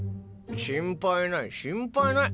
心配ない心配ない。